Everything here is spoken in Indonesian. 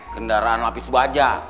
teng kendaraan lapis baja